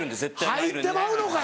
入ってまうのかい！